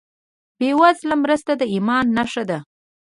بېوزله مرسته د ایمان نښه ده.